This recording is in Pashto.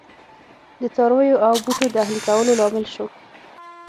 د څارویو او بوټو د اهلي کولو لامل شو.